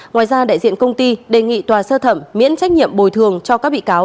ngoài ra đại diện công ty đề nghị tòa sơ thẩm miễn trách nhiệm bồi thường cho các bị cáo